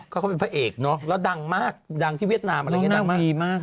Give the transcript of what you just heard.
เขาก็เป็นพระเอกเนอะแล้วดังมากดังที่เวียดนามอะไรอย่างนี้ดังมาก